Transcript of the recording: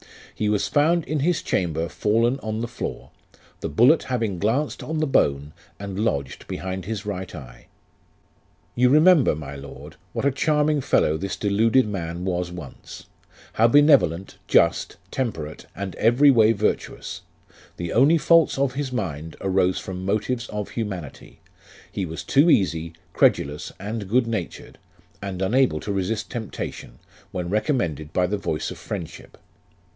He was found in his chamber fallen on the floor, the bullet having glanced on the bone, and lodged behind his right eye. " You remember, my Lord, what a charming fellow this deluded man was once. How benevolent, just, temperate, and every way virtuous ; the only faults of his mind arose from motives of humanity : he was too easy, credulous, and good natured, and unable to resist temptation, when recom mended by the voice of friendship.